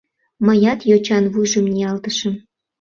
Мыят йочан вуйжым ниялтышым.